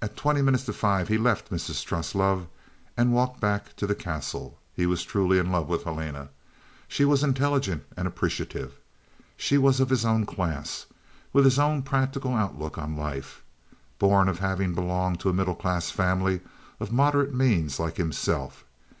At twenty minutes to five he left Mrs. Truslove and walked back to the Castle. He was truly in love with Helena. She was intelligent and appreciative. She was of his own class, with his own practical outlook on life, born of having belonged to a middle class family of moderate means like himself.